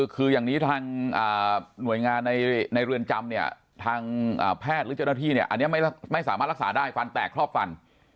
คืออย่างนี้ทางหน่วยงานในเรือนจำเนี่ยทางแพทย์หรือเจ้าหน้าที่เนี่ยอันนี้ไม่สามารถรักษาได้ฟันแตกครอบฟัน